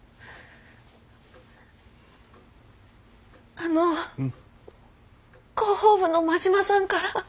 あの広報部の真島さんから。